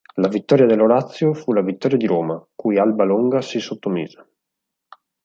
La vittoria dell'Orazio fu la vittoria di Roma, cui Alba Longa si sottomise.